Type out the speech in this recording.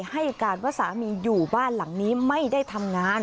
ให้การว่าสามีอยู่บ้านหลังนี้ไม่ได้ทำงาน